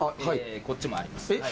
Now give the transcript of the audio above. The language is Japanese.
こっちもあります。